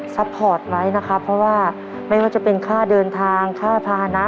พอร์ตไว้นะครับเพราะว่าไม่ว่าจะเป็นค่าเดินทางค่าภาษณะ